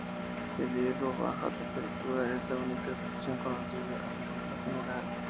El helio a baja temperatura es la única excepción conocida a la regla general.